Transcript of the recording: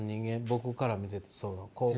僕から見ててそう。